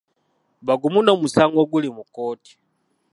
Bagumu n'omusango oguli mu kkooti.